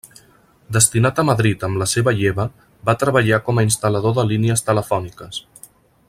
Destinat a Madrid amb la seva lleva, va treballar com a instal·lador de línies telefòniques.